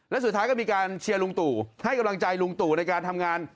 และสุดท้ายก็มีการเชียร์ลุงตู่ให้กำลังใจลุงตู่ในการทำงาน